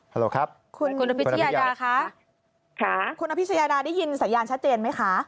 โหลกครับคุณคุณอภิชยาดาคะค่ะคุณอภิชยาดาได้ยินสัญญาณชัดเจนไหมคะ